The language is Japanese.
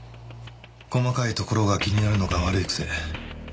細かいところが気になるのが悪い癖